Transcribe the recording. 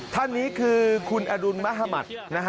ท่านนี้คือคุณอรุณมหมัธย์